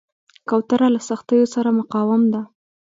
کوتره له سختیو سره مقاوم ده.